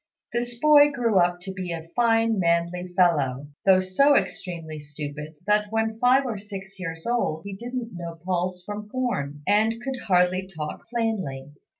This boy grew up to be a fine manly fellow, though so extremely stupid that when five or six years old he didn't know pulse from corn, and could hardly talk plainly.